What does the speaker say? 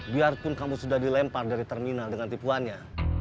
biarpun kamu sudah dilempar dari terminal dengan tipuannya